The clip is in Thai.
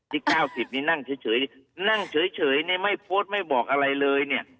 ที่เก้าสิบนี่นั่งเฉยเฉยนี่นั่งเฉยเฉยนี่ไม่โพสไม่บอกอะไรเลยเนี่ย